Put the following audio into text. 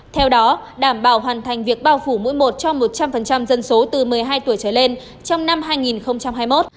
theo đó đảm bảo hoàn thành việc bao phủ mỗi một cho một trăm linh dân số từ một mươi hai tuổi trở lên trong năm hai nghìn hai mươi một